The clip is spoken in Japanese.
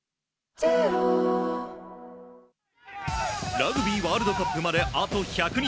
ラグビーワールドカップまであと１００日。